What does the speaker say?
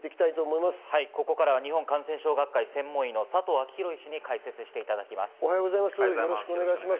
日本感染症学会専門医の佐藤昭裕医師に解説していただきます。